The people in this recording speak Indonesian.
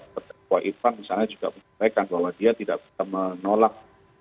pergakwa ipam misalnya juga menyebutkan bahwa dia tidak bisa menolak